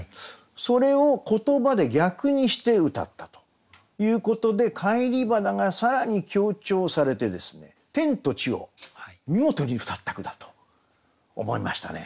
それを言葉で逆にして詠ったということで「返り花」が更に強調されてですね天と地を見事に詠った句だと思いましたね。